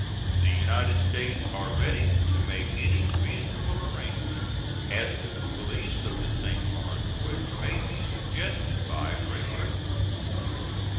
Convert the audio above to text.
The United States are ready to make any reasonable arrangement as to the police of the St. Lawrence which may be suggested by Great Britain.